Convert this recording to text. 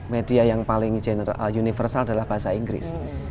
media yang paling universal adalah bahasa inggris